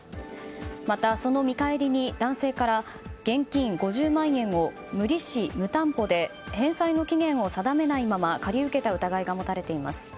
また、その見返りに男性から現金５０万円を無利子・無担保で返済の期限を定めないまま借り受けた疑いが持たれています。